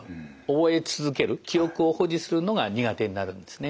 覚え続ける記憶を保持するのが苦手になるんですね。